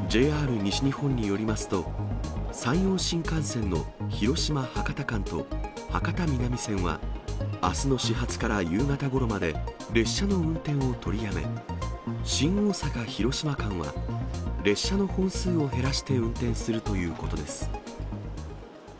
ＪＲ西日本によりますと、山陽新幹線の広島・博多間と、博多南線は、あすの始発から夕方ごろまで、列車の運転を取りやめ、新大阪・広島間は、列車の本数を減らして運転するということです。